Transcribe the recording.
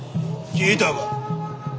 聞いたか？